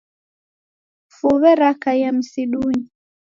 Fuw'e rakaia misidunyi.